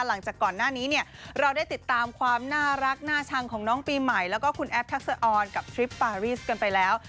หลังจากก่อนหน้านี้เนี่ยเราได้ติดตามความน่ารักน่าชังของน้องปีใหม่แล้วก็คุณแอฟทักษะออนกับทริปปารีสกันไปแล้ว